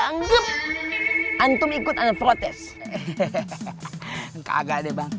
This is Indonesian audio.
kalau menurut aneh sih kalau menurut aneh sih kagak deh bang kagak ya